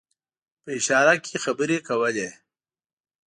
په اشاره کې خبرې کولې.